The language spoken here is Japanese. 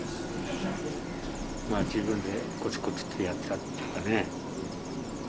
まあ自分でコツコツとやってたっていうかね。